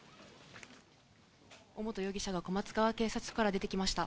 尾本容疑者が、小松川警察署から出てきました。